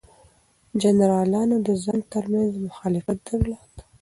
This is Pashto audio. جنرالانو د ځان ترمنځ مخالفت درلود.